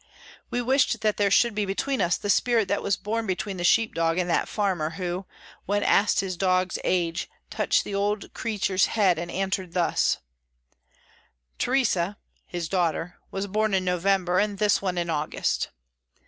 We wished that there should be between us the spirit that was between the sheep dog and that farmer, who, when asked his dog's age, touched the old creature's head, and answered thus: "Teresa" (his daughter) "was born in November, and this one in August."